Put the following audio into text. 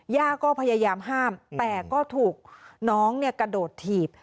ย่าก็พยายามห้ามแต่ก็ถูกน้องกระโดดถีบ